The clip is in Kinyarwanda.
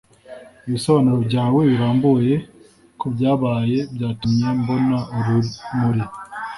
ibisobanuro byawe birambuye kubyabaye byatumye mbona urumuri